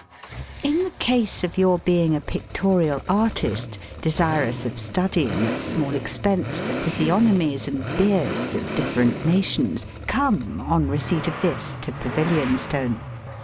In the case of your being a pictorial artist, desirous of studying at small expense the physiognomies and beards of different nations, come, on receipt of this, to Pavilionstone.